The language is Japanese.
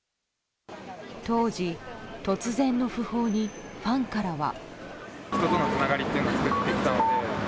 当時、突然の訃報にファンからは。